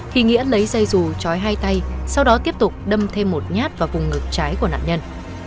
thì nghĩa lấy dây dù trói hai tay sau đó tiếp tục đâm thêm một nhát vào vùng ngực trái của nạn nhân